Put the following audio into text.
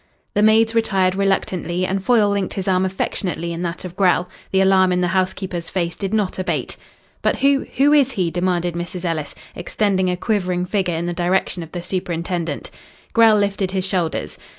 The maids retired reluctantly and Foyle linked his arm affectionately in that of Grell. The alarm in the housekeeper's face did not abate. "But who who is he?" demanded Mrs. Ellis, extending a quivering finger in the direction of the superintendent. Grell lifted his shoulders.